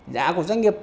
giá của doanh nghiệp